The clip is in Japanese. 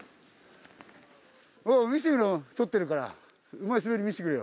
見してくれ撮ってるからうまい滑り見してくれよ。